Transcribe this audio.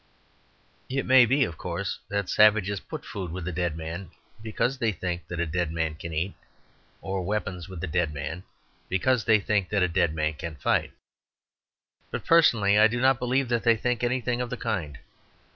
It may be of course that savages put food with a dead man because they think that a dead man can eat, or weapons with a dead man because they think that a dead man can fight. But personally I do not believe that they think anything of the kind.